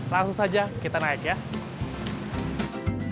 langsung saja kita naik ya